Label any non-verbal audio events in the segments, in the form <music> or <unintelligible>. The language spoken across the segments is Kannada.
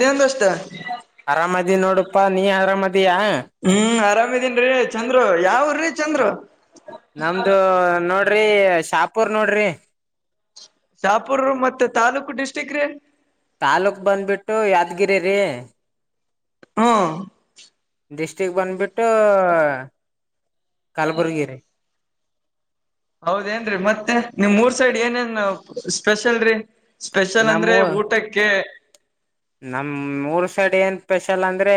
ನೀಂದಷ್ಟತ ಅರಾಮದಿ ನೋಡಪಾ ನೀ ಅರಾಮದಿಯಾ ಹ್ಮ್ ಆರಾಮಿದೀನ್ರೀ ಚಂದ್ರು ಯಾವರ್ರೀ ಚಂದ್ರು ನಮ್ದು ನೋಡ್ರಿ ಶಾಪೂರ್ ನೋಡ್ರಿ ಚಾಪುರ್ ಮತ್ತೆ ತಾಲೂಕು ಡಿಸ್ಟ್ರಿಕ್ ರೀ ತಾಲೂಕ್ ಬಂದ್ಬಿಟ್ಟು ಯಾದಗಿರಿ ರೀ ಹಾ ಡಿಸ್ಟಿಕ್ ಬಂದ್ಬಿಟ್ಟು ಕಲಬುರ್ಗಿ ರ ಹೌದ ಏನ್ರೀ ಮತ್ತೆ ನಿಮ್ ಮೂರ್ ಸೈಡ್ ಏನೇನ್ ಸ್ಪೆಷಲ್ರರಿ ಸ್ಪೆಷಲ್ ಅಂದ್ರೆ ಊಟಕ್ಕೆ ನಮ್ಮ ಊರು ಸೈಡ್ ಏನು ಸ್ಪೆಷಲ್ ಅಂದ್ರೆ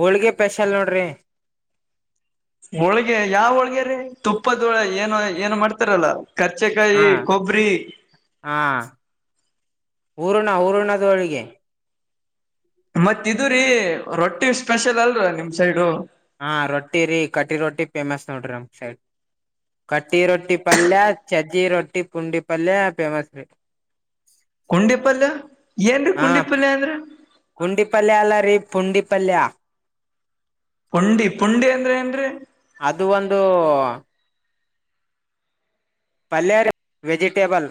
ಹೋಳ್ಗೆ ಸ್ಪೆಷಲ್ ನೋಡ್ರಿ ಹೋಳ್ಗೆ ಯಾವ ಹೋಳ್ಗೆರೀ ತುಪ್ಪದೋಳ ಏನ ಏನು ಮಾಡ್ತಾರಲ್ಲ. ಕರ್ಚೆಕಾಯಿ ಕೊಬ್ಬರಿ. ಹಾಂ ಊರ್ಣ ಊರ್ರಣದೊಳಗೆ. ಮತ್ ಇದು ರಿ ರೊಟ್ಟಿ ಸ್ಪೆಷಲ್ ಅಲ್ರ ನಿಮ್ ಸೈಡು. ಹಾ ರೊಟ್ಟಿ ರೀ ಕಟ್ಟಿ ರೊಟ್ಟಿ ಫೇಮಸ್ ನೋಡ್ರಿ ನಮ್ ಸೈಡ್. ಕಟ್ಟಿ ರೊಟ್ಟಿ ಪಲ್ಯ ಚಜ್ಜಿ ರೊಟ್ಟಿ ಪುಂಡಿ ಪಲ್ಯ ಫೇಮಸ್ ರೀ. ಕುಂಡಿ ಪಲ್ಯ ಏನ್ರೀ ಕುಂಡಿ ಪಲ್ಯ ಅಂದ್ರ. ಕುಂಡಿ ಪಲ್ಯ ಅಲ್ಲ ರೀ ಪುಂಡಿ ಪಲ್ಯ. ಪುಂಡಿ ಪುಂಡಿ ಅಂದ್ರೆ ಏನ್ರಿ. ಅದು ಒಂದು. ಪಲ್ಯ ರಿ ವೆಜಿಟೇಬಲ್.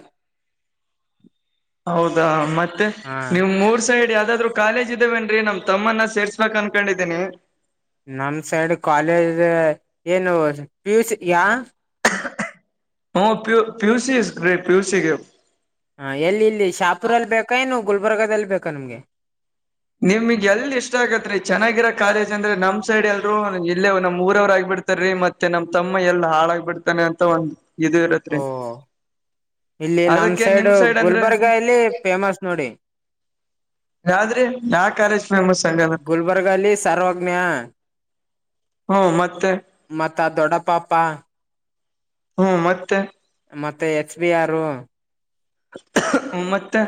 ಹೌದಾ ಮತ್ತೆ ಹಾ ನಿಮ್ ಊರ್ ಸೈಡ್ ಯಾವ್ದಾದ್ರು. ಕಾಲೇಜ್ ಇದವೇನ್ ರಿ ನಮ್ ತಮ್ಮನ್ನ ಸೇರ್ಸ್ಬೇಕ್ ಅನ್ಕೊಂಡಿದ್ದೀನಿ. ನಮ್ಮ್ ಸೈಡ್ ಕಾಲೇಜ್ ಏನು ಪ್ಯೂಸ್ ಯಾ. ಹ ಪು ಪಿಯು ಇಸ್ ಗ್ರೇಟ್ ಪಿಯುಸಿ ಆಗೇವ್. ಹ ಎಲ್ಲಿ ಇಲ್ಲಿ ಶಾಪುರಲ್ಲಿ ಬೇಕಾ ಏನು ಗುಲ್ಬರ್ಗಲ್ಲಿ ಬೇಕಾ ನಮ್ಗೆ. ನಿಮ್ಗ್ ಎಲ್ ಇಷ್ಟ ಆಗತ್ ರಿ ಚೆನ್ನಾಗಿರೋ ಕಾಲೇಜ್ ಅಂದ್ರೆ ನಮ್ ಸೈಡ್ ಎಲ್ರು ಇಲ್ಲೇ ನಮ್ ಊರವ್ರು ಆಗ್ಬಿಡ್ತಾರೀ ಮತ್ ಮತ್ತೆ ನಮ್ಮ ತಮ್ಮ ಎಲ್ಲಿ ಹಾಳಾಗಿ ಬಿಡ್ತಾನೆ ಅಂತ ಒಂದ ಇದು ಇರುತ್ತೆ. ಓ ಇಲ್ಲಿ ನಮ್ ಅದಕ್ಕೆ ಸೈಡ್ ನಿಮ್ ಅಂದ್ರೆ ಗುಲ್ಬರ್ಗ ಇಲ್ಲಿ ಫೇಮಸ್ ನೋಡಿ. ಯಾವ್ಧ್ ರಿ ಯಾ ಕಾಲೆಜ್ ಫೇಮಸ್ ಅಲ್ಲಿ. ಗುಲ್ಬರ್ಗ ಅಲ್ಲಿ ಸರ್ವಜ್ಞ. ಹ್ಮ ಮತ್ತೆ. ಮತ್ತ ದೊಡ್ಡ ಪಾಪ. ಹ್ಮ್ ಮತ್ತೆ. ಮತ್ತೆ ಎಚ್ ಬಿ ಆರ್. ಮತ್ತೆ.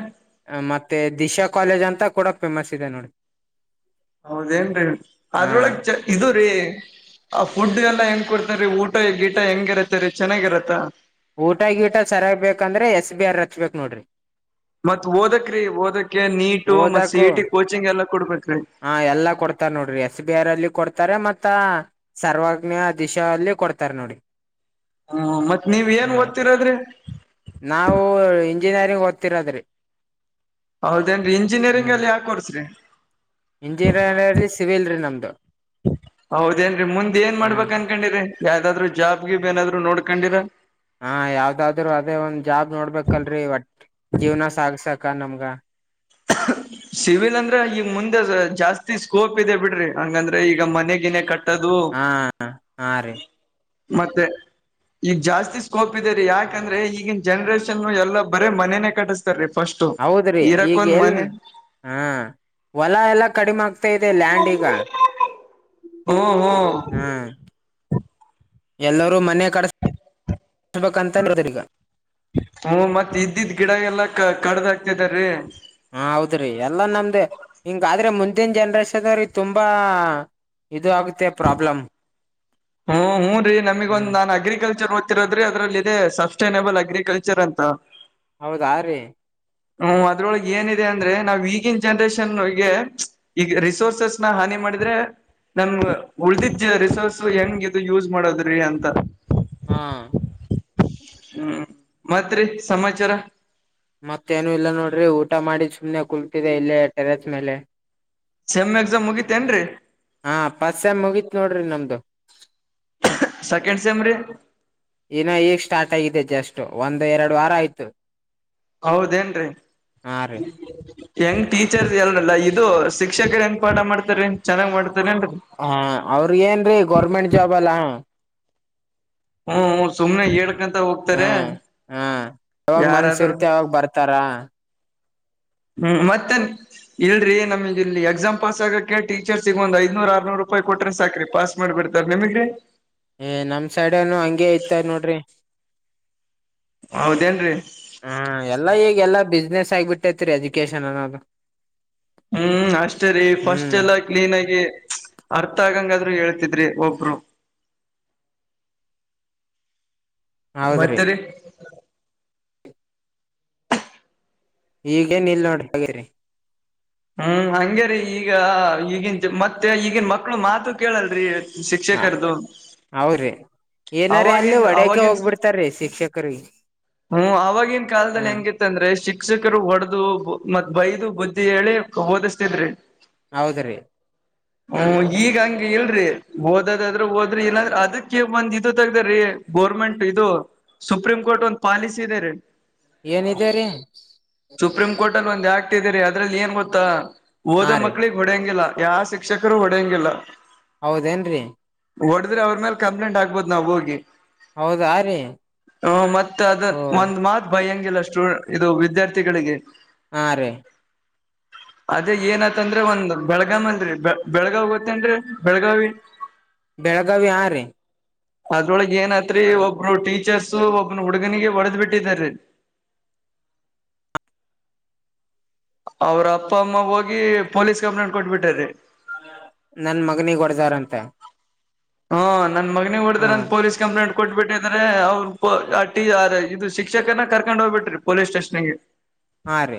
ಮತ್ತೆ ದಿಶಾ ಕಾಲೇಜ್ ಅಂತ ಕೂಡ ಫೇಮಸ್ ಇದೆ ನೋಡಿ. ಹೌದೇನ್ರೀ ಹಾ ಅದ್ರೊಳಗ್ ಚೆ ಇದು ರೀ ಆ ಫುಡ್ ಎಲ್ಲಾ ಹೆಂಗ್ ಕೊಡ್ತೀರ್ ಊಟ ಗೀಟ ಹೆಂಗಿರತ್ತ ರೀ ಚೆನ್ನಾಗಿರತ್ತ. ಊಟ ಗೀಟ ಸರಿಯಾಗ ಬೇಕಂದ್ರೆ ಎಸ್ ಬಿ ಆರ್ ರಚ್ಬೇಕು ನೋಡ್ರಿ. ಮತ್ ಓದಕ ರೀ ಓದಕ್ಕೆ ನೀಟು ಮತ್ ಸಿ ಇ ಓದಕು ಟಿ ಕೋಚಿಂಗ್ ಎಲ್ಲ ಕೊಡ್ಬೇಕ್ರೀ. ಹಾ ಎಲ್ಲಾ ಕೊಡ್ತಾರ ನೋಡ್ರಿ ಎಸ್ ಬಿ ಆರ್ ಅಲ್ಲಿ ಕೊಡ್ತಾರೆ ಮತ್ತ. ಸರ್ವಜ್ಞ ದಿಶ ಅಲ್ಲಿ ಕೊಡ್ತಾರ ನೋಡಿ. ಹ್ಮ ಮತ್ ನೀವ್ ಏನ್ ಹ್ಮ್ ಓದ್ತಿರದ್ರಿ. ನಾವು ಇಂಜಿನಿಯರಿಂಗ್ ಓದ್ತಿರೋದ್ರಿ. ಹೌದೇನ್ರಿ ಇಂಜಿನಿಯರಿಂಗ್ ಹ್ಮ್ ಅಲ್ಲಿ ಯಾ ಕೋರ್ಸ್ರಿ. ಇಂಜಿನಿಯರಿಂಗ್ಲ್ಲಿ ಸಿವಿಲ್ ರೀ ನಮ್ದು ಹೌದೇನ್ರಿ ಮುಂದ್ ಏನ್ ಹ ಮಾಡ್ಬೇಕಂತ ಕೊಂಡಿರಿ ಯಾವ್ದಾದ್ರರು ಜಾಬ್ಗಿಬ್ ಏನಾದ್ರು ನೋಡ್ಕೊಂಡಿರಾ. ಹಾ ಯಾವ್ದಾದ್ರು ಅದೇ ಒಂದ್ ಜಾಬ್ ನೋಡ್ಬೇಕಲ್ರರಿ ಒಟ್ ಜೀವ್ನ ಸಾಗಸಕ ನಮ್ಗ. ಹ ಸಿವಿಲ್ ಅಂದ್ರೆ ಈಗ ಮುಂದೆ ಜಾಸ್ತಿ ಸ್ಕೋಪ್ ಇದೆ ಬಿಡ್ರಿ ಹಂಗಂದ್ರೆ ಈಗ ಮನೆಗಿನೇ ಕಟ್ಟ ಕಟ್ಟದು ಹಾ ಹಾ ರೀ ಮತ್ತೆ. ಈಗ ಜಾಸ್ತಿ ಸ್ಕೋಪ್ ಇದೆ ರೀ ಯಾಕಂದ್ರೆ ಈಗಿನ ಜನ್ರೇಷನ್ ಎಲ್ಲಾ ಬರೇ ಮನೆನೆೇ ಕಟ್ಟಿಸ ರಿ ಫಸ್ಟ್ ಹೌದ್ರಿ ಇರಕ್ ಈಗ ಒಂದ್ ಎಲ್ ಮನೆ ಹ ಹೊಲ ಎಲ್ಲಾ ಕಡಿಮೆ ಆಗ್ತಾ ಇದೆ ಲ್ಯಾಂಡ್ ಈಗ. ಹೂ ಹೂ ಹ್ಮ್ ಎಲ್ಲರೂ ಮನೆ ಕಡಸ <inaudible> ಬೇಕಂತ್ರ ಈಗ ಹ್ಮ ಮತ್ತತ್ ಇದ್ದಿದ್ ಗಿಡ ಎಲ್ಲಾ ಕಡ್ದ ಆಕ್ತದ್ರೀ ಹ ಹೌದ್ರಿ ಎಲ್ಲಾ ನಮ್ದ ಹಿಂಗಾದ್ರೆ ಮುಂದಿನ ಜನ್ರೇಷನ್ ಅವ್ರೀ ತುಂಬಾ ಇದು ಆಗುತ್ತೆ ಪ್ರಾಬ್ಲಮ ಹ್ಮ್ ಹೂ ರೀ ನಮಿಗ ಒಂದ ನಾನ್ ಅ್ರಿಕಲ್ಚರ್ ಓದ್ತಿರೋದ್ರಿ ಅ್ರಲ್ಲಿಲ್ಲ ಇದೆ ಸಸ್ಟೈನೇಬಲ್ ಅಗ್ರಿಕಲ್ಚರ್ ಅಂತ ಹೌದಾ ರೀ ಹ್ಮ ಅದ್ರೊಳಗೆ ಏನಿದೆ ಅಂದ್ರೆ ನಾವ್ ಈಗನ್ ಜನ್ರೇಷನ್ಗೆ ಈಗ ರಿಸೋರ್ಸಸ್ ನ ಹಾನಿ ಮಾಡಿದ್ರೆ ನಮ ಉಳ್ದಿದ್ದ ರಿಸೋರ್ಸ್ ಹೆಂಗ್ ಇದು ಯೂಸ್ ಮಾಡೋದ್ರಿ ಅಂತ ಹಾ ಹ್ಮ್ ಮತ್ರಿ ರಿ ಸಮಾಚಾರ ಮತ್ತೇನು ಇಲ್ಲ ನೋಡ್ರಿ ಊಟ ಮಾಡಿ ಸುಮ್ನೆ ಕುಲ್ತಿದೆ ಇಲ್ಲಿ ಟೆರೆಸ್ ಮೇಲೆ ಸೆಮ್ ಎಕ್ಸಾಮ್ ಮುಗಿತೇನ್ರರಿ ಹಾ ಪಸ್ ಟಮ್ ಮುಗಿತ್ ನೋಡ್ರಿ ನಮ್ದು ಸೆಕೆಂಡ್ ಸೇಮ್ ರಿ ಇನ್ನು ಈಗ ಸ್ಟಾರ್ಟ್ ಆಗಿದೆ ಜಸ್ಟ್ ಒಂದು್ ಎರಡು ವಾರ ಆಯ್ತು ಹೌದೇನ್ರೀ <inaudible> ಹಾ ರೀ ಹೆಂಗ್ ಟೀಚರ್ಸ್ ಎಲ್ರಲ್ಲ ಇದು ಶಿಕ್ಷಕರು ಹೆಂಗ ಪಾಠ ಮಾಡ್ತಾರೆ ಚೆನ್ನ್ ಮಾಡ್ತಾರ ಏನ್ರಿ ಹಾ ಅವ್ರ ಏನ್ರೀ ಗೌರ್ಮೆಂಟ್ ಜಾಬ್ ಅಲ್ಲಾ ಹ್ಮ್ಹ್ಮ್ ಸುಮ್ನೆ ಹೇಳ್ಕಂತ ಹ ಹೋಗ್ತಾರೆ ಯಾರಾದ್ರರು ಬರ್ತಾರಾ ಹ್ಮ್ ಮತ್ತನ್ ಇಲ್ರಿೀ ನಮಗ ಇಲ್ಲಿ ಎಕ್ಸಾಮ್ ಪಾಸ್ ಆಕಕ್ಕೆ ಟೀಚರ್ಸ್ಗ ಒ್ ಐ್ನೂರುರ್ರುೂ ರೂಪಾಯಿ ಕೊಟ್ಟ್ರ ಸಾಕ್ರರಿ ಪಾಸ್ ಮಾಡ್ಬಿಡ್ತಾರೆ ನಿಮಗೆ ಏ ನಮ್ ಸೈಡ್ ಏನು ಹಂಗೇ ಐತ ನೋಡ್ರಿ ಹೌದೇನ್ರರಿ ಹ್ಮ್ ಎಲ್ಲಾ ಈಗ ಎಲ್ಲಾ ಬಿಸ್ನೆಸ್ ಆಗ್ಬಿಟ್ಟೈತ್ರಿ ಎಜುಕೇಶನ್ ಅನ್ನೋದು ಹ್ಮ್ ಅಷ್ಟೇ ರೀ ಫಸ್ಟ್ ಹ್ಮ್ ಎಲ್ಲ ಕ್ಲೀನ್ ಆಗಿ ಅರ್ಥ ಆಗಂಗಾದ್ರರು ಹೇಳ್ತಿದ್ರಿ ಒಬ್ರು ಹೌದ್ರಿ ಮತ್ತರಿ ಈಗಏನ್ ಇಲ್ ನೋಡರಿ <unintelligible> ಹ್ಮ್ ಹಂಗ ರಿ ಈಗ ಈಗ ಮತ್ತೆ ಈಗನ್ ಮಕ್ಳು ಮಾತು ಕೇಳಲ್ರಿ ಶಿಕ್ಷಕರದು ಹೌರಿ ಏನಾರ ಅಲ್ಲಿ ಹೊಡಕೆ ಅವಾಗಿನ್ ಹೋಗ್ಬಿಡ್ತಾರೀ ಶಿಕ್ಷಕ ಹಾ ದ್ರೆ ಶಿಕ್ಷಕರು ಒಡದು ಮತ್ ಬೈದು ಬುದ್ಧಿ ಹೇಳಿ ಓದಿಸ್ತಿದ್ರಿ ಹೌದ್ರೀ ಹ್ಮ ಈಗ ಹಂಗ ಇಲ್ರರಿ ಓದದಾದ್ರೂ ಹೋದ್ರಿ ಇಲ್ಲಾದ್ರ ಅದಕ್ಕೆ ಬಂದ ತಗ್ದ ರೀ ಗೋರ್ಮೆಂಟ್ ಇದು ಸುಪ್ರೀಂ ಕೋರ್ಟ್ ಒಂದ್ ಪಾಲಿಸಿ ಇದೆ ರೀ ಏನಿದರಿ ಸುಪ್ರೀಂ ಕೋರ್ಟ್ ಅಲ್ಲಿ ಒಂದ್ ಆಾಗ್ತಿದೀರಿ ಅದ್ರಲ್ಲಿ ಏನ್ ಗೊತ್ತಾ ಹಾ ಹೋದ ರೀ ಮಕ್ಳಿಗೆ ಹೊಡೆಯಂಗಿಲ್ಲ ಯಾವ ಶಿಕ್ಷಕರು ಹೊಡೆಯಂಗಿಲ್ಲ ಹೌದೇನ್ರರಿ ಹೊಡದ್ರೆ ಅವ್ರ ಮೇಲೆ ಕಂಪ್ಲೇಂಟ್ ಆಗ್ಬೋದು ನಾವ್ ಹೋಗಿ ಹೌದಾ ರೀ ಹ್ಮ ಮತ್ತ ಅದ ಓ ಒಂದ್ ಮಾತ್. ಭ ಹಂಗಿಲ್ಲಷ್ಟ್ಟು ಇದು ವಿದ್ಯಾರ್ಥಿಗಳಿಗೆ. ಹಾ ರೀ. ಅದೇ ಏನತ್ತಂದ್ರ ಒಂದ ಬೆಳಗಾವ್ ಅಲ್ರರಿ ಬೆಳಗಾವಿ ಗೋತ್ತೇನ್ರರಿ ಬೆಳಗಾವಿ. ಬೆಳಗಾವಿ ಆ ರೀ. ಅದ್ರೊಳಗೆ ಏನತ್ರಿ ಒಬ್ರು ಟೀಚರ್ಸ ಒಬ್ಬನ ಹುಡುಗನಿಗೆ ಹೊಡೆದ್ ಬಿಟ್ಟಿದಾರೀ. ಅವ್ರ ಅಪ್ಪ ಅಮ್ಮ ಹೋಗಿ ಪೊಲೀಸ್ ಕಂಪ್ಲೇಂಟ್ ಕೋಟಿಬಿಟ್ಟರಿ. ನನ್ ಮಗನಿಗ್ ಹೊಡದಾರಂತ. ಹಾ ನನ್ ಮನಿ ಹಾ ಹೊಡ್ರ ಅಂದ ಪೊಲೀಸ್ ಕಂಪ್ಲೇಂಟ್.. ಕೊಟ್ಬಿಟ್ಟಿ ಅಂದ್ರೆ ಅವ್ರರು ಇದು ಶಿಕ್ಷಕನ ಕರ್ಕೊಂಡ್ ಹೋಗ್ಬಿಟ್ರಿ ಪೊಲೀಸ್ ಸ್ಟೇಷನ್ ಗೆ. ಹಾ ರೀ.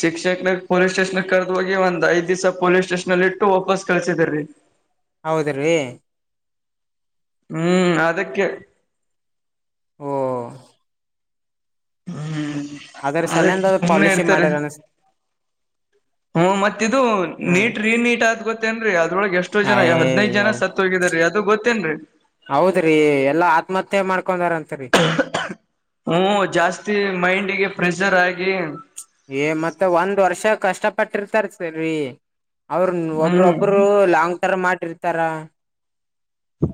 ಶಿಕ್ಷಕನ ಪೊಲೀಸ್ ಸ್ಟೇಷನ್ ಕರೆದ ಹೋಗ ಒಂದ್ ಐದ್ ದಿಸಾ ಪೊಲೀಸ್ ಸ್ಟೇಷನ್ಲ್ಲಿ ಇಟ್ಟು ವಾಪಸ್ ಕಳ್ಸಿದ್ರೀ. ಹೌದ ರೀ. ಹ್ಮ್ ಅದಕ್ಕೆ. ಹ್ಮ. ಹ್ಮ್ ಅದ್ರ ಅದ ಸಲಂದ ಸುಮ್ಮ್ನೆ ಪಾಲಿಸಿ ಇರ್ತಾರೆ. ಮಾಡ್ಯಾರ ಅನ್ಸ್ ಹ್ಮ ಮತ್ತ ಇದು ಹ್ಮ್ ನೀಟ್ ರೀನ್ ನೀಟ್ ಆದ್ ಗೊತ್ತ.. ಗೊತ್ತೇನ್ೀ ಅದ್ರೊಳಗ್ ಎಷ್ಟೋ ಜನ ಹದ್ೈದ ಅಯ ಜನ ಸತ್ ಹೋಗಿದಾರ ರೀ ಅದು ಗೊತ್ತೇನ್ರಿ. ಹೌದ್ರಿ ಎಲ್ಲಾ ಆತ್ಮಹತ್ಯೆ ಮಾಡ್ಕೊಂಡಾರತ್ರಿ. ಹ್ಮ ಜಾಸ್ತಿ ಮೈಂಡ್ಿಗೆ ಪ್ರೆಷರ್ ಆಗಿ. ಏ ಮತ್ತೆ ಒಂದ್ ವರ್ಷ ಕಷ್ಟ ಪಟ್ಟಿರ್ತಾರ ಸರರಿ. ಅವ್ರ ಹ್ಮ್ ಒಬ್ರೊಬ್ಬರು ಲಾಂಗ್ ಟರ್ಮ್ ಆಟಿರ್ತಾರ.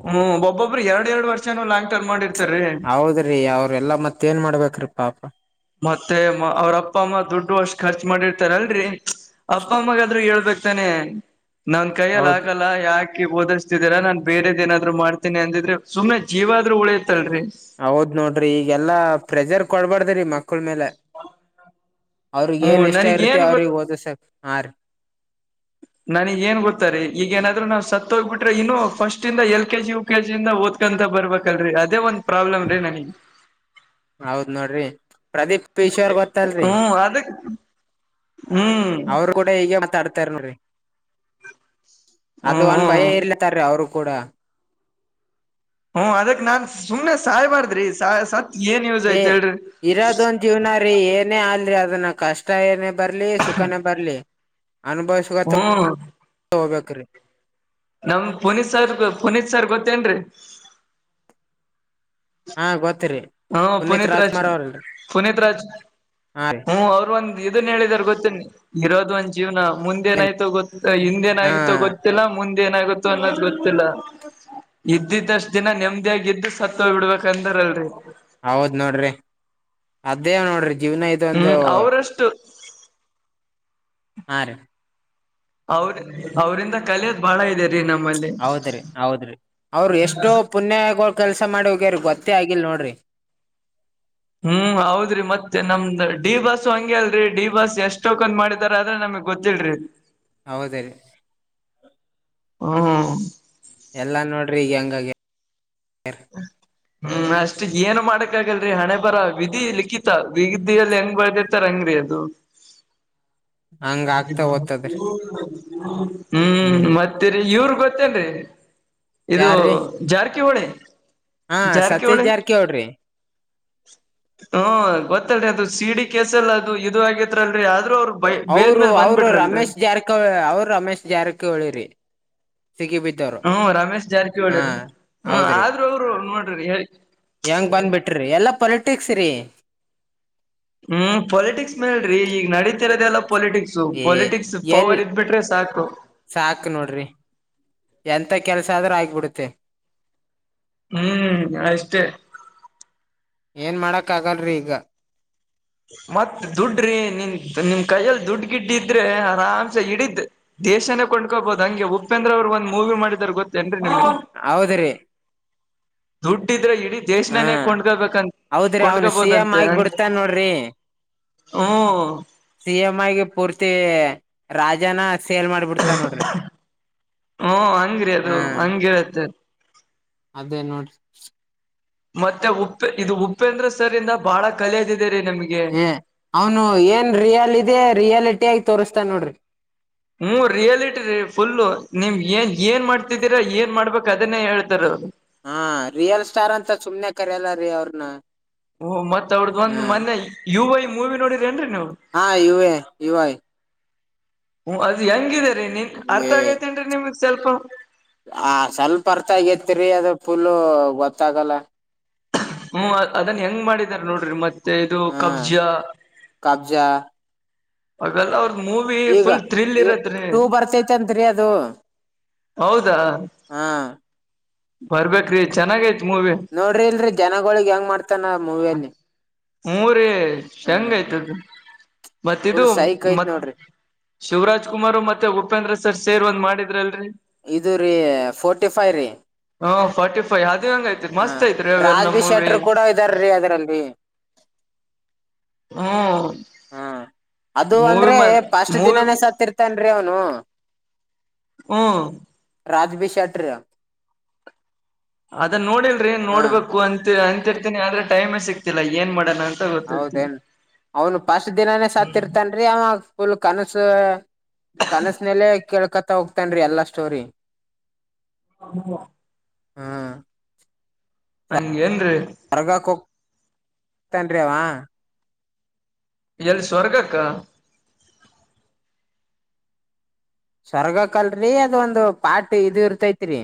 ಹ್ಮ್ ಒಬ್ಬೊಬ್ಬ್ರ ಎರಡ್ ಎರಡ್ ವರ್ಷನೂ ಲಾಂಗ್ ಟರ್್ ಮಾಡಿರ್ತಾರರಿ. ಹೌದ್ರೀ ಅವ್ರೆಲ್ಲ ಮತ್ತೆ. ಮತ್ತ ಏನ್ ಮಾಡ್ಬೇಕ್ರೀ ಪಾಪ. ಮತ್ತೆ ಅವ್ರ ಅಪ್ಪ ಅಮ್ಮ ದುಡ್ಡು ವರ್ಷ ಖರ್ಚು ಮಾಡಿರ್ತಾರ ಅಲ್ರರಿ ಅಪ್ಪ ಅಮ್ಮಗೆಾದ್ರೂ ಹೇಳ್ಬೇಕು.. ತನೆ ನನ್ ಕೈಯಲ್ಲಿ ಹೌದ್ ಆಗಲ್ಲ ಯಾಕೆ.. ಓದಿಸ್ತಿದೀರಾ ನಾನ್ ಬೇರೆದ್ೇನಾದ್ರು ಮಾಡ್ತೀನಿ ಅಂದಿದ್ರೆ ಸುಮ್ಮನೆ ಜೀವ ಆದ್ರರು ಉಳಿಯತ್ತಲ್ರರಿ. ಹೌದ್ ನೋಡ್ರಿ ಈಗೆಲ್ಲಾ ಪ್ರೆಜರ್ ಕೊಡ್ಬಾರ್ದ್ರಿ ಮಕ್. ಮಕ್ಕಳ ಮೇಲೆ ಅವ್ರಿಗೆ ಹ್ಮ್ ಏನ್ ಇಷ್ಟ ನನಗ್ ಇರುತ್ತೆ ಏನ್ ಗೊತ್ತ ಅವ್ರಗ್ ಓದ ಸಾ ಹಾ ರೀ. ನನಗ್ ಏನ್ ಗೊತ್ತಾರೆ ಈಗ ಏನಾದ್ರು ನಾವ್ ಸತ್ ಹೋಗ್ಬಿಟ್ರೆ ಇನ್ನು ಫಸ್ಟ್ ಇಂದ ಎಲ್ ಕೆ ಜಿ.. ಕೆಜಿಯಿಂದ ಓದ್ಕೊಂತ ಬರ್ಬೇಕಲ್ರರಿ ಅದೇ ಒಂದ್ ಪ್ರಾಬ್ಲಮ್ ರೀ ನನಗೆ. ಹೌದ್ ನೋಡ್ರಿ ಪ್ರದೀಪ್ ಪಶೋರ್ ಗೊತ್ತಲ್ರಿ. ಹ್ಮ ಅದ. ಹ್ಮ್. ಅವರು ಕೂಡ ಹೀಗೆ ಮಾತಾಡ್ತಾರ ನೋರಿ ಅದು ಹ್ಮ್ ಒಂದು. ಭಯ ಹ್ಮ್ ಇರ್ಲತ್ತಾರೀ ಅವರು ಕೂಡ. ಹ್ಮ ಅದಕ್ ನಾನ್ ಸುಮ್ನೆ ಸಾಯ್ ಮಾಡಾರ್ದ್ರಿ ಸಾಯ ಸತ್. ಏನ್ ಯೂಸ್ ಏ ಐತ್ ಹೇಳ್ರಿ ಇರೋದ ಒಂದ ಜೀವ್ನ ರೀ ಏನೇ ಅಲ್ರಿ ಅದನ್ನ ಕಷ್ಟ ಏನೇ ಬರ್ಲಿ.. ಸುಖಾನೇ ಬರ್ಲಿ ಅನುಭವ ಸು ಹ್ಮ್ ಹೋಗಬೇಕ್ರೀ. ನಮ್ ಪುನೀತ್ ಸರ್ ಪುನೀತ್ ಸರ್ ಗೊತ್ತೇನ್ರರಿ. ಹಾ ಗೊತ್ತರಿ. ಹ್ಮ ಪುನೀತ್ ರಾಜ್ ರಾಜ್ಕುಮಾರ್ ಅವ್ರಲ್ರಿ ಪುನೀತ್ ರಾಜ್ ಹಾ ರೀ ಹ್ಮ್ ಅವರು ಒಂದು. ಇದನ್ ಹೇಳಿದರೆ ಗೊತ್ತ ಇರೋದು ಒಂದ್ ಜೀವನ ಏನ್ ಮುಂದೇನಾಯ್ತೋ ಗೊತ್ತ ಹಿಂದೇನ ಹಾ ಆತೋ ಗೊತ್ತ.. ಗೊತ್ತಿಲ್ಲ ಮುಂದ ಏನಾಗುತ್ತೋ ಅನ್ನೋದು್ ಗೊತ್ತಿಲ್ಲ. ಇದ್ದಿದ್ದಷ್ಟ ದಿನ ನೆಮದಿಯಾಗ ಇದಿದ್ದು ಸತ್ತ ಹೋಗ್ ಬಿಡ್ಬೇಕ ಅಂದಾರಲ್ರಿ ಹೌದ್ ನೋಡ್ರಿ ಅದೇ ನೋಡ್ರಿ ಜೀವ್ನ ಐತ್ ಹ್ಮ್ ಅವ್ರಷ್ಟು ಆರೀ ಅವ್ರ ಅವ್ರಂದ ಕಲಿಯೋದು ಬಾಳ ಇದೆ ರೀ ನಮ್ಮಲ್ಲಿ ಹೌದ್ರಿ ಹೌದ್ರಿ ಅವ್ರ ಎಷ್ಟೋ ಪುಣ್ಯಗಳು ಕೆಲ್ಸ ಮಾಡಿ ಹೋಗ್ಯಾರ ಗೊತ್ತೇ ಆಗಿಲ್ ನೋಡ್ರಿ ಹ್ಮ್ ಹೌದ್ರಿ ಮತ್ತೆ ನಮ್ದ್ ಡಿ ಬಾಸ್ ಹಂಗೆ ಅಲ್ರರಿ ಡಿ ಬಾಸ್ ಎಷ್ಟ್ ಟೋಕನ್ ಮಾಡಿದಾರ ಆದ್ರೆ ನಮಗ್ ಗೊತ್ತಿಲ್ರಿ ಹೌದಿರೀ ಹ್ಮ್ ಎಲ್ಲಾ ನೋಡ್ರಿ ಎಂಗ್ಆಗಯ್ತೆ ಹ್ಮ ಹ್ಮ್ ಅಷ್ಟ್ ಏನ್ ಮಾಡಕ್ ಆಗಲ್ರರಿ ಹಣೆ ಬರ ವಿಧಿ ಲಿಖಿತ ವಿಧಿಯಲ್ಲಿ ಹೆಂಗ್ ಬಳದಿರ್ತಾರಂಗ್ರರಿ ಅದು ಹಂಗ ಆಗ್ತಾ ಓದ್ತದ್ರಿ <inaudible> ಹ್ಮ್ ಮತ್ತೇರಿ ಇವ್ರ ಗೊತ್ತೇನ್ರಿ ಇದು ಯಾರ್ರೀ ಜಾರಕಿಹೋಳಿ ಹಾ ಸತೀಶ್ ಜಾರಕಿಹೊಳ್ರಿ ಹ್ಮ ಗೊತ್ತಲ್ರಿ ಅದು ಸಿಡಿ ಕೇಸ್ ಅಲ್ಲಿ ಅದು ಇದು ಆಗೇತ್ಲ್ರಿ ಆದ್ರೂ ಅವ್ರು ಬೈ ಬೇಲ್ ಅವರು ಮೇಲ್ ಅವರು ಬಂದ್ಬಿಟ್ರಲ್ರರಿ ರಮೇಶ್ ಜಾರಕಿಹೋಳಿ ಅವ್ರು ರಮೇಶ್ ಜಾರಕಿಹೊಳಿ ಸಿಗಿ ಬಿದ್ದವ್ರು ಹ್ಮ್ ರಮೇಶ್ ಜಾರಕಿಹೊಳಿ ಹಾ ಹ್ಮ ಹೌದ್ರಿ ಆದ್ರೂ ಅವರು ನೋಡ್ರಿ ಹೇಳ ಹೆಂಗ್ ಬಂದ್ಬಿಟ್ರಿ ಎಲ್ಲಾ ಪೊಲಿಟಿಕ್ಸ್ ರೀ ಹ್ಮ್ ಪೊಲಿಟಿಕ್ಸ್ ಮೇಲ್ರಿ ಈಗ ನೆಡೀತಿರದೆಲ್ಲ ಪಾಲಿಟಿಕ್ಸ್ ಸೊ ಏ ಪಾಲಿಟಿಕ್ಸ್ ಪವರ್ ಇದ್ಬಿಟ್ರೆ ಸಾಕು ಸಾಕು ನೋಡ್ರಿ ಎಂತ ಕೆಲ್ಸ ಆದ್ರೂ ಆಗ್ಬಿಡುತ್ತೆ ಹ್ಮ್ ಅಷ್ಟೇ ಏನ್ ಮಾಡಕ್ಕ ಆಗಲ್ರರಿ ಈಗ ಮತ್ತ್ ದುಡ್ಡ್ರಿ ನಿನ್ ನಿಮ್ ಕೈಯ್ಯಲ್ಲಿ ದುಡ್ ಗಿಡ್ಯಿದ್ರೆ ಆರಾಮ್ಸ ಹಿಡಿದ್ದ ದೇಶನೇ ಕೊಂಡ್ಕೋಬಹುದು ಹಂಗೆ ಉಪೇಂದ್ರ ಅವರು ಒಂದು ಮೂವಿ ಮಾಡಿದಾರೆ ಗೊತ್ತಾ ಏನ್ರಿ ಹೌದ್ರಿ ದುಡ್ಡಿದ್ರೆ ಇಡೀ ಹಾ ದೇಶನೇ ಕೊಂಡ್ಕೋಬೇಕಂತ ಕೊಂಡ್ಕಬೋದಂತೆ ಅ ರೀ ಹು ಸಿ ಎಂ ಆಗಿ ಪೂರ್ತಿ ರಾಜ್ಯನ ಸೇಲ್ ಮಾಡ್ಬಿಡ್ತ ನೋಡ್ರಿ ಹು ಹಂಗ್ರಿ ಅದು ಹಾ ಹಂಗೆಯಿರುತ್ತೆ ಅದೇ ನೋಡ್ರಿ ಮತ್ತೆ ಉಪ್ಪ ಇದು ಉಪ್ಪೇಂದ್ರ ಸರ್ ಯಿಂದ ಬಾಳ ಕಲಿಯದು ಇದೆ ರೀ ನಮ್ಗೆ ಏ ಅವನು ಏನ್ ರಿಯಲ್ ಇದೆ ರಿಯಾಲಟಿ ಆಗಿ ತೋರಿಸ್ತಾನೆ ನೋಡ್ರಿ ಹ್ಮ ರಿಯಾಲಿಟಿ ರೀ ಫುಲ್ಲು ನೀಮ್ ಏನ್ ಏನ್ ಮಾಡ್ತಿದ್ದೀರಾ ಏನ್ ಮಾಡ್ಬೇಕಕ್ ಅದನ್ನೇ ಹೇಳ್ತಾರ ಅವರು ಹಾ ರಿಯಲ್ ಸ್ಟಾರ್ ಅಂತ ಸುಮ್ನೆ ಕರಿಯಲ್ಲ ರೀ ಅವ್ರನ್ನ ಹಓ ಮತ್ ಅವ್ರದ್ದ್ ಒಂದ್ ಮೊನ್ನೆ ಯು ಐ ಮೂವಿ ನೋಡಿದ್ರರಿ ಏನ್ರರಿ ನೀವು ಹ ಯು ಐ ಯು ಐ ಹ ಅದ್ ಹೆಂಗಿದೆ ರೀ ನೀನ್ ಅರ್ಥ ಏ ಆಗೈತೇನ್ರೀ ನಿಮ್ಗ್ ಸ್ವಲ್ಪ ಆ ಸ್ವಲ್ಪ ಬರ್ತ ಆಗತ್ರಿ ಅದು ಫುಲ್ ಗೊತ್ತಾಗಲ್ಲ ಹ್ಮ್ ಅದನ್ ಹೆಂಗ್ ಮಾಡಿದಾರ ನೋಡ್ರಿ ಮತ್ತೆ ಇದು ಹಾ ಕಬ್ಜಾ ಕಬ್ಜಾ ಹಾಗಲ್ಲ ಅವ್ರ ಮೂವಿ ಫುಲ್ ಥ್ರಿಲ್ ಇರತ್ರಿ ಚಂತರಿ ಅದು ಹೌದಾ ಹಾ ಬರ್ಬೇಕ್ರಿ ಚೆನ್ನಾಗೈತ್ ಮೂವಿ ನೋಡ್ರಿ ಇಲ್ರಿ ಜನಗಳಗ್ ಹೆಂಗ ಮಾಡ್ತಾನ ಮೂವಿಯಲ್ಲಿ ಮೂರ ಹಾ ಹೆಂಗ ಆಯ್ತದ ಮತ್ತ ಇದು ಫುಲ್ ಸೈಕ್ ಐತ್ ಮತ್ತು ನೋಡ್ರಿ ಶಿವರಾಜ್ ಕುಮಾರ್ ಮತ್ತೆ ಉಪೇಂದ್ರ ಸರ್ ಸೇರ್ ಒಂದ್ ಮಾಡಿದ್ರಲ್ರರಿ ಇದು ರೀ ಫೋರ್ಟಿ ಫೈವ್ ರೀ ಹ ಫಾರಟಿ ಫೈ್ ಅದು ಹೆಂಗ ಐತ್ರಿ ಮಸ್ತ್ ಐತ್ರಿ ಅವ ಎಲ್ಲ ಮೂವಿ ಇದಾರೀ ಅದರಲ್ಲಿ ಹ್ಮ ಹಾ ಅದು ಅಂದ್ರೆ ಪಾಸ್ಟ್ ಮೂವಿ ದಿನಾನೇ ಸತ್ತ ಇರ್ತನ್ರಿ ಅವನು ಹ್ಮ್ ರಾಜ್ಭೀಷಟ್್ರ ಅದ ನೋಡಿಲ್ರಿ ಹಾ ನೋಡ್ಬೇಕು ಅಂತ ಅಂತ ಇರ್ತೀನಿ ಆದ್ರೆ ಟೈಮ್ ಸಿಕ್ತಿಲ್ಲ ಏನ್ ಮಾಡೋಣ ಗೊತ್ತಾಗ್ತಿಲ್ಲ ಹೌದೇನ್ ಅವನು ಪಸ್ಟ್ ದಿನಾನೇ ಸತ್ತಿರ್ತನ್ರಿ ಅವಾಗ ಫುಲ್ ಕನಸು ಕನಸನೆಲ್ಲ ಕೇಳ್ಕತ ಹೋಗ್ತನ್ೀ ಎಲ್ಲಾ ಸ್ಟೋರಿ ಹ್ಮ <inaudible> ಹಾ ನಂಗಗೆ ಏನ್ರೀ ಹೊರಗಕ ತನ್್ರವಾ <inaudible> ಎಲ್ಲಿ ಸ್ವರ್ಗಕ್ಕ ಸ್ವರ್ಗಕಲ್ರಿ ಅದ ಒಂದು ಪಾಟ್ ಇದು ಇರ್ತೈತ್ರಿ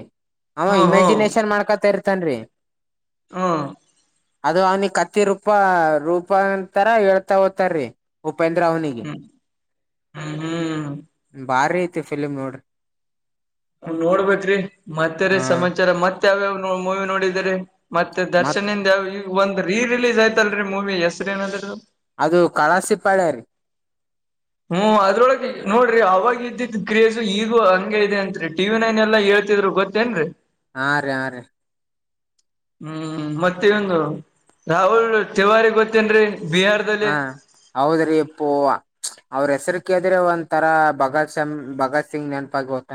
ಅವ ಹ್ಮ್ ಹ್ಮ್ ಇಮ್ಯಾಜಿನೇಷನ್ ಮಾಡ್ಕೊತ ಇರ್ತನ್ರಿ ಹೂ ಅದು ಅವ್ನಿಕ್ ಕತ್ತಿ ರೂಪ ರೂಪ ಅಂತರ ಹೇಳ್ತಾ ಹೋತಾರೀ ಉಪೇಂದ್ರ ಅವನಿಗೆ ಹ್ಮ್ ಹ್ಮ್ ಹ್ಮ್ <unintelligible> ಬಾರಿ ಐತಿ ಫಿಲಿಮ್ ನೋಡ್ರಿ ನೋಡಬೇಕ್ರಿ ಮತ್ತ ರ ಹಾ ಸಮಾಚಾರ ಮತ್ ಯಾವ್ಯಾವ ಮೂವಿ ನೋಡಿದರಿ ಮತ್ತೆ ಮತ್ ದರ್ಶನಯಿಂದ ದ ಯಾವ ಈಗ ಒಂದ ರೀ ರಿಲೀಸ್ ಆಯ್ತಲ್ರರಿ ಮೂವಿ ಹೆಸರು ಏನದ್ರ ಅದು ಕಳಾಸಿಪಾಳ್ಯ ರೀ ಹ್ಮ್ ಅದ್ರೊಳಗೆ ನೋಡ್ರಿ ಅವಾಗ ಇದ್ದಿದ್ದ್ ಕ್ರೇಜು ಈಗು ಹಂಗೆ ಇದೆ ಅಂತ್ರಿ ಟಿವಿ ನೈನ್ ಎಲ್ಲ ಹೇಳ್ತಿದ್ರು ಗೊತ್ತ ಅೇನ್ರಿ <unintelligible> ಹಾ ರೀ- ಹಾ ರೀ ಹ್ಮ್ ಮತ್ತ ಇಂದು ರಾಹುಲ್ ತಿವಾರಿ ಗೊತ್ತೇನ್ರೀ ಬಿಹಾರ್ ಹಾ ಹೌದ್ರಿಪ್ಪೂ ಅವ್ರ ಹೆಸರು ಕದ್ರೆ ಒಂದ್ ತರಾ ಭಗತ್- ಭಗತ್ ಸಿಂಗ್ ನೆನಪಾಗಿ ಹೋಗ್ತ